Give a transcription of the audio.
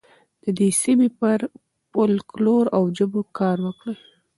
د دې سیمې پر فولکلور او ژبو کار وکړئ.